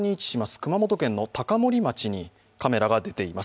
熊本県の高森町にカメラが出ています。